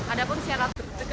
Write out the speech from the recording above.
ada pun siapa